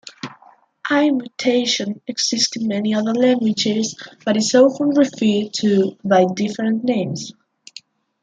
"I-mutation" exists in many other languages but is often referred to by different names.